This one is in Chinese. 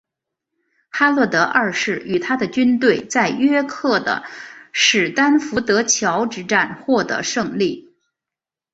哈洛德二世与他的军队在约克的史丹福德桥之战获得胜利。